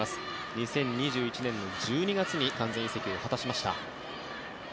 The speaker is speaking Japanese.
２０２１年の１２月に完全移籍を果たしました。